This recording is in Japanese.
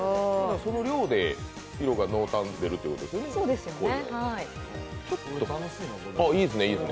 その量で色が濃淡出るってことですね。